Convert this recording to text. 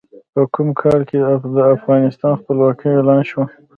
په کوم کال کې د افغانستان خپلواکي اعلان شوه؟